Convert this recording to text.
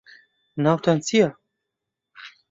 ناوتان چییە؟